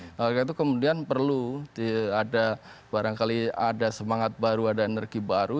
karena itu kemudian perlu ada barangkali ada semangat baru ada energi baru